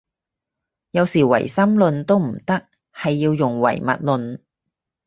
有時唯心論都唔得，係要用唯物論